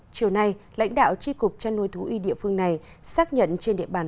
chiều nay lãnh đạo tri cục chăn nuôi thú y địa phương này xác nhận trên địa bàn